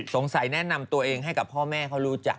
แนะนำตัวเองให้กับพ่อแม่เขารู้จัก